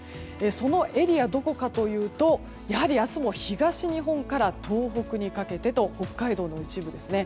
そのエリア、どこかというとやはり明日も東日本から東北にかけてと北海道の一部ですね。